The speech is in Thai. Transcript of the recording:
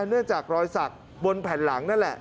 เนื่องจากรอยสักบนแผ่นหลังนั่นแหละ